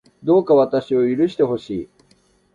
どうか私を許してほしい